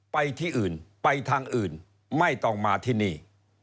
ไปที่อื่นไปทางอื่นไม่ต้องมาที่นี่